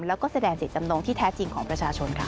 แล้วก็แสดงจิตจำนงที่แท้จริงของประชาชนค่ะ